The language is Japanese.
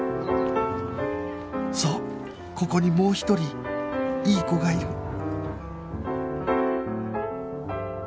そうここにもう一人いい子がいる